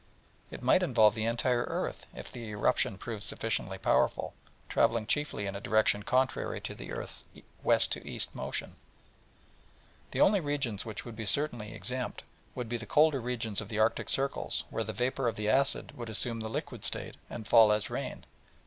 might involve the entire earth, if the eruption proved sufficiently powerful, travelling chiefly in a direction contrary to the earth's west to east motion, the only regions which would certainly be exempt being the colder regions of the Arctic circles, where the vapour of the acid would assume the liquid state, and fall as rain.